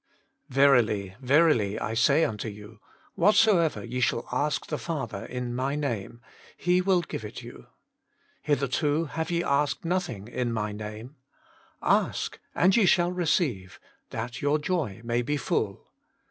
Verily, verily I say unto you, whatsoever ye shall ask the Father in My Name, He will give it you. Hitherto have ye asked nothing in My Name ; ask, and ye shall receive, that your joy may be full.